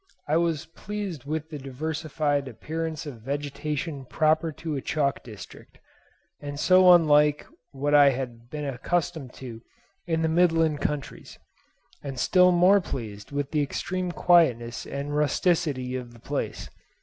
I was pleased with the diversified appearance of vegetation proper to a chalk district, and so unlike what I had been accustomed to in the Midland counties; and still more pleased with the extreme quietness and rusticity of the place.